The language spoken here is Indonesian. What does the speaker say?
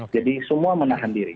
jadi semua menahan diri